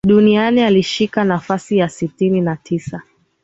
Duniani inashika nafasi ya sitini na tisa